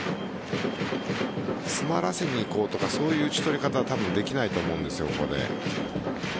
詰まらせにいこうとかそういう打ち取り方は多分できないと思うんですよ。